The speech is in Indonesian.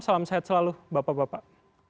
salam sehat selalu bapak bapak